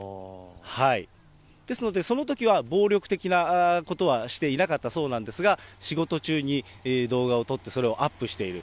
ですので、そのときは暴力的なことはしていなかったそうなんですが、仕事中に動画を撮って、それをアップしている。